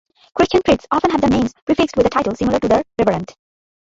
Christian priests often have their names prefixed with a title similar to The Reverend.